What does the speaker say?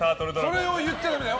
それを言っちゃダメだよ。